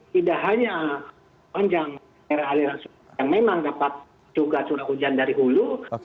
tidak hanya panjang daerah aliran sungai yang memang dapat juga curah hujan dari hulu